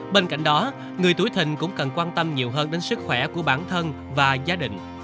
bên cạnh đó người tuổi thình cũng cần quan tâm nhiều hơn đến sức khỏe của bản thân và gia đình